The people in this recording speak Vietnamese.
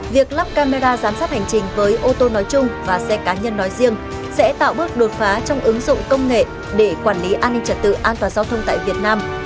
việc lắp camera giám sát hành trình với ô tô nói chung và xe cá nhân nói riêng sẽ tạo bước đột phá trong ứng dụng công nghệ để quản lý an ninh trật tự an toàn giao thông tại việt nam